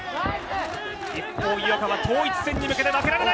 一方、井岡は統一戦に向けて負けられない。